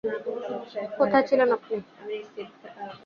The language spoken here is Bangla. কোথায় ছিলেন আপনি?